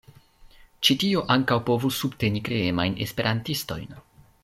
Ĉi tio ankaŭ povus subteni kreemajn esperantistojn.